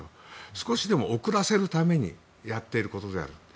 少しでも遅らせるためにやっていることである。